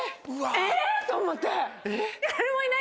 え！と思って。